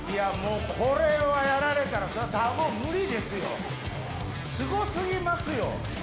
これはやられたらたー坊、無理ですよ、すごすぎますよ。